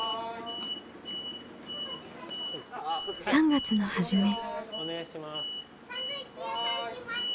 ３月の初め。